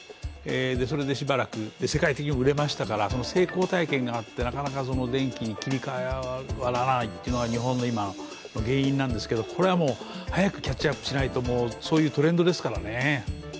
それでしばらく世界的に売れましたから、成功体験があって、なかなか電気に切り替わらないっていうのが日本の今の原因なんですけど早くキャッチアップしないとそういうトレンドですからね。